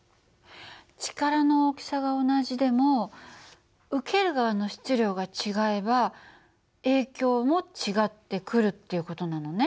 力の大きさが同じでも受ける側の質量が違えば影響も違ってくるっていう事なのね。